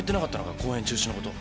公演中止のこと。